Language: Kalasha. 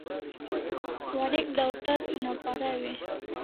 Warek dawtar una paraw e?